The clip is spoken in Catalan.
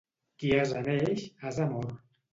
Qui ase neix, ase mor.